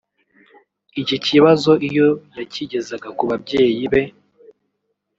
Iki kibazo iyo yakigezaga ku babyeyi be